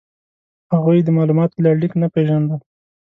هغوی د مالوماتو لړلیک نه پېژانده.